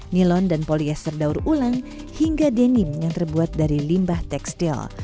nilon dan polyester daur ulang hingga denim yang terbuat dari limbah tekstil